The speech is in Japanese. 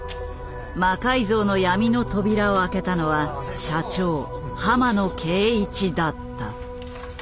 魔改造の闇の扉を開けたのは社長浜野慶一だった。